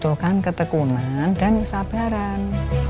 butuhkan ketekunan dan kesabaran